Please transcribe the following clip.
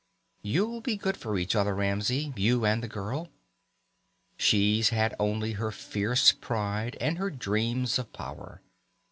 You'll be good for each other, Ramsey, you and the girl. She's had only her fierce pride and her dreams of power.